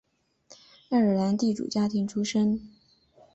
爱尔兰地主家庭出身。